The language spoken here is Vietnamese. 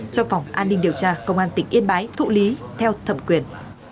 cho phòng an ninh điều tra công an tỉnh yên bái thụ lý theo thẩm quyền